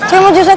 saya maju set